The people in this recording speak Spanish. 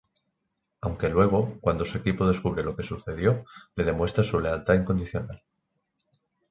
Aunque luego, cuando su equipo descubre lo que sucedió, le demuestra su lealtad incondicional.